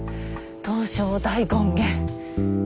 「東照大権現」。